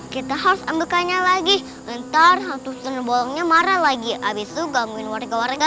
kita harus ambil kainnya lagi ntar hantu senol bolongnya marah lagi abis itu gangguin warga warga